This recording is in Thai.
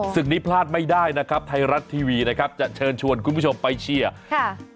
ศึกนี้พลาดไม่ได้นะครับไทยรัฐทีวีนะครับจะเชิญชวนคุณผู้ชมไปเชียร์ค่ะ